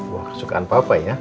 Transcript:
wah kesukaan papa ya